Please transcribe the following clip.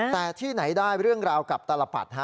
แต่ที่ไหนได้เรื่องราวกับตลปัดฮะ